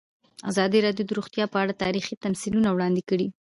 ازادي راډیو د روغتیا په اړه تاریخي تمثیلونه وړاندې کړي.